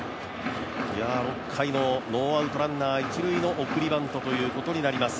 ６回ノーアウトランナー一塁の送りバントということになります。